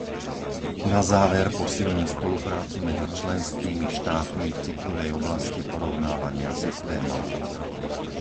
Na záver posilní spoluprácu medzi členskými štátmi v citlivej oblasti porovnávania systémov.